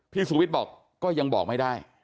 สุวิทย์บอกก็ยังบอกไม่ได้